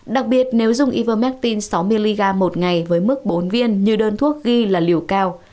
đặc biệt nếu dùng ivermedine sáu mg một ngày với mức bốn viên như đơn thuốc ghi là liều cao